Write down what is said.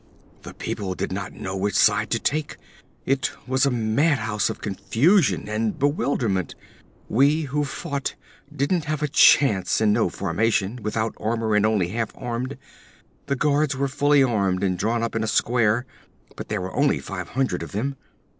'The people did not know which side to take. It was a madhouse of confusion and bewilderment. We who fought didn't have a chance, in no formation, without armor and only half armed. The guards were fully armed and drawn up in a square, but there were only five hundred of them.